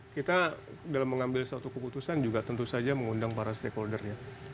kita dalam mengambil satu keputusan juga tentu saja mengundang para stakeholder ya